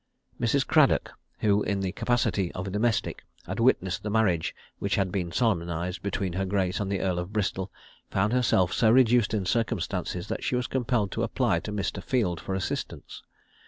Mrs. Cradock, who, in the capacity of a domestic, had witnessed the marriage which had been solemnised between her grace and the Earl of Bristol, found herself so reduced in circumstances that she was compelled to apply to Mr. Field for assistance.